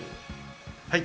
はい。